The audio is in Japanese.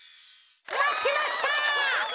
まってました。